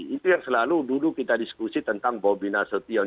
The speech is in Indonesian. itu yang selalu dulu kita diskusi tentang bobi nasution